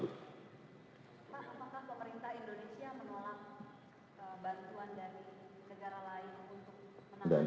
pak apakah pemerintah indonesia menolak bantuan dari negara lain untuk menangani covid sembilan belas